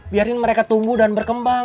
biarin mereka tumbuh dan berkembang